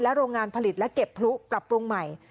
โรงงานผลิตและเก็บพลุปรับปรุงใหม่